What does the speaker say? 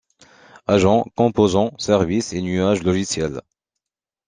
Agents, composants, services et nuages logiciels.